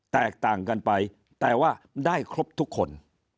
แตกต่างกันไปแต่ว่าได้ครบทุกคน